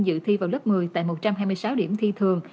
dự thi vào lớp một mươi tại một trăm hai mươi sáu điểm thi thường